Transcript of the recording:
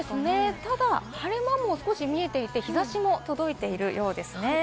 ただ晴れ間も少し見えていて日差しも届いているようですね。